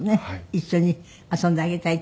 一緒に遊んであげたいっていう。